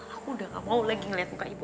aku udah gak mau lagi ngeliat muka ibu